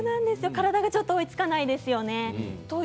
体がちょっと追いつかないですよね。